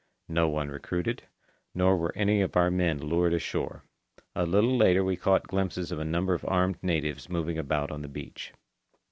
No one recruited, nor were any of our men lured ashore. A little later we caught glimpses of a number of armed natives moving about on the beach.